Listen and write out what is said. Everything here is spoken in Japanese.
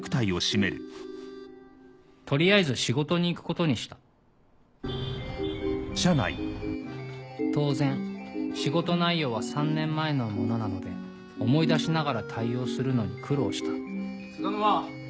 取りあえず仕事に行くことにした当然仕事内容は３年前のものなので思い出しながら対応するのに苦労した菅沼。